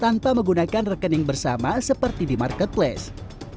tanpa menggunakan rekening bersama seperti di marketplace